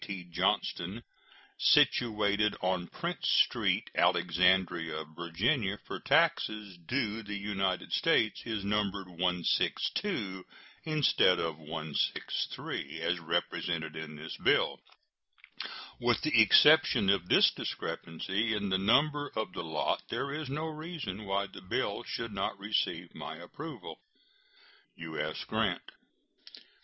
T. Johnston, situate on Prince street, Alexandria, Va., for taxes due the United States, is numbered 162, instead of 163, as represented in this bill. With the exception of this discrepancy in the number of the lot there is no reason why the bill should not receive my approval. U.S. GRANT.